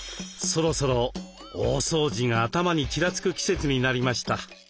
そろそろ「大掃除」が頭にちらつく季節になりました。